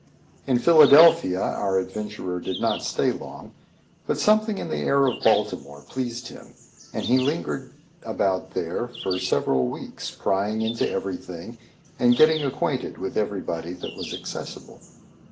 In Philadelphia, our adventurer did not stay long; but something in the air of Baltimore pleased him, and he lingered about there for several weeks, prying into every thing and getting acquainted with everybody that was accessible.